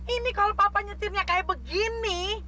ini kalau papa nyetirnya kayak begini